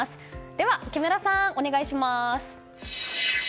では木村さん、お願いします！